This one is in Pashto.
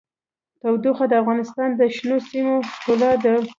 تودوخه د افغانستان د شنو سیمو ښکلا ده.